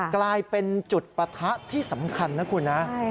กลายเป็นจุดปะทะที่สำคัญนะคุณนะ